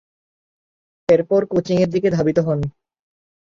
এরপর কোচিংয়ের দিকে ধাবিত হন।